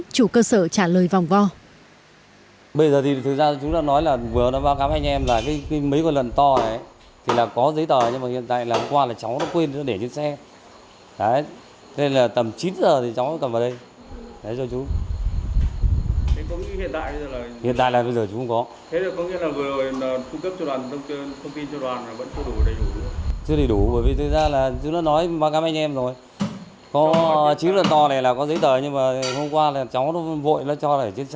lực lượng cơ sở trả lời vòng vo